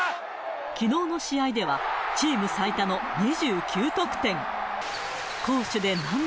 きのうの試合では、チーム最多の２９得点。